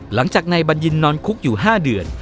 หลังจากนายบัญญินนอนคุกอยู่๕เดือน